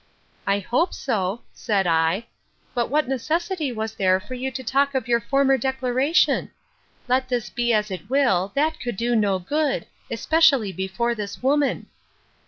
I hope so, said I; but what necessity was there for you to talk of your former declaration? Let this be as it will, that could do no good, especially before this woman.